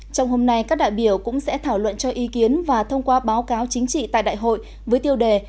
trong hôm nay các đại biểu cũng sẽ thảo luận cho ý kiến và thông qua báo cáo chính trị tại đại hội với tiêu đề